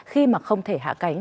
khi mà không thể hạ cánh